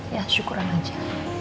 ya syukuran aja